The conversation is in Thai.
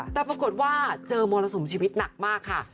แต่ปรากฏว่าเจอมรสุมชีวิตหนักมากค่ะ